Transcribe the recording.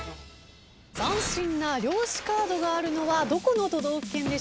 斬新な漁師カードがあるのはどこの都道府県でしょうか？